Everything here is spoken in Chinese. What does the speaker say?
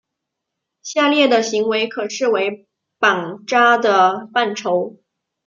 下列的行为可视为绑扎的范畴。